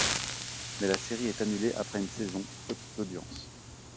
Mais la série est annulée après une saison, faute d'audiences.